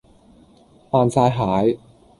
扮曬蟹